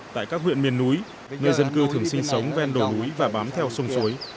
tại các huyện miền núi nơi dân cư thường sinh sống ven đồi núi và bám theo sông suối